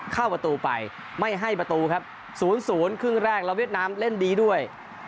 เข้าประตูไปไม่ให้ประตูครับ๐๐ครึ่งแรกแล้วเวียดนามเล่นดีด้วย